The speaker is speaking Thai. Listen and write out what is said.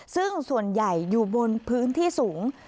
ซึ่งส่วนใหญ่อยู่บนพื้นที่สูง